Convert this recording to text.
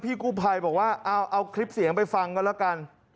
กู้ภัยบอกว่าเอาคลิปเสียงไปฟังกันแล้วกัน